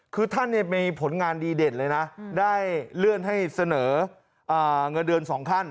คือท่านมีผลงานดีเด่นเลยนะได้เลื่อนให้เสนอเงินเดือน๒ขั้น